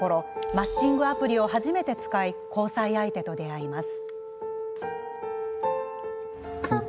マッチングアプリを初めて使い交際相手と出会います。